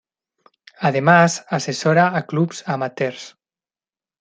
Además asesora a clubes amateurs.